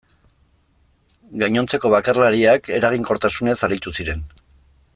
Gainontzeko bakarlariak eraginkortasunez aritu ziren.